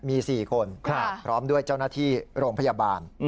มี๔คนพร้อมด้วยเจ้าหน้าที่โรงพยาบาล